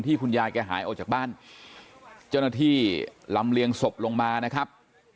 คุณยายแกหายออกจากบ้านเจ้าหน้าที่ลำเลียงศพลงมานะครับ